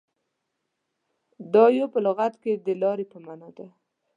• دایو په لغت کې د لارې په معنیٰ دی.